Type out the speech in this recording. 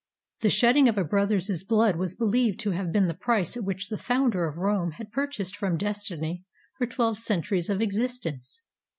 The shedding of a brother's blood was believed to have been the price at which the founder of Rome had purchased from destiny her twelve centuries of existence.